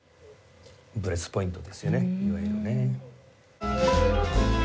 ブレスポイントですよねいわゆるね。